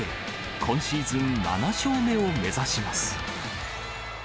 今シーズン７勝目を目指します。